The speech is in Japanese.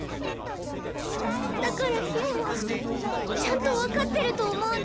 だからヒュンはちゃんと分かってると思うんです。